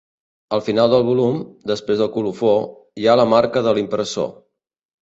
Al final del volum, després del colofó, hi ha la marca de l'impressor.